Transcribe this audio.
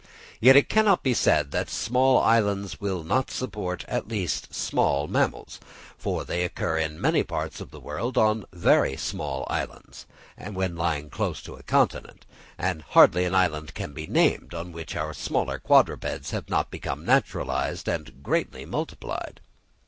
Yet it cannot be said that small islands will not support at least small mammals, for they occur in many parts of the world on very small islands, when lying close to a continent; and hardly an island can be named on which our smaller quadrupeds have not become naturalised and greatly multiplied.